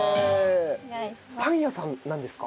パン屋さんなんですか？